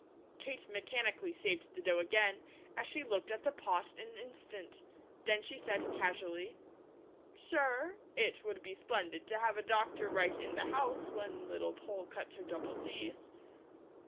Kate mechanically saved the dough again, as she looked at the pot an instant, then she said casually: "Sure! It would be splendid to have a doctor right in the house when Little Poll cuts her double teeth."